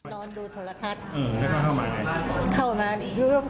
ตอนดูธรรมทัศน์เข้ามาอย่างไร